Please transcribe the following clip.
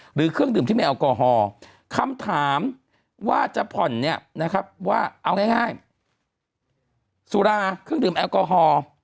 เครื่องดื่มที่มีแอลกอฮอล์คำถามว่าจะผ่อนเนี่ยนะครับว่าเอาง่ายสุราเครื่องดื่มแอลกอฮอล์